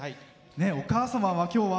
お母様は、今日は？